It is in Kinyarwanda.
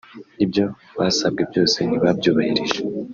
Ibyo basabwe byose ntibabyubahirije